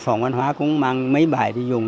phòng văn hóa cũng mang mấy bài đi dùng